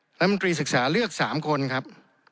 รัฐมนตรีศึกษาเลือก๓คนครับ